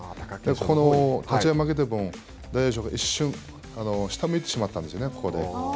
この立ち合い負けてる分大栄翔が一瞬下を向いてしまったんですね